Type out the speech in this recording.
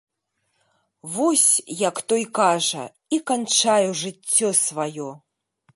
Вось, як той кажа, і канчаю жыццё сваё!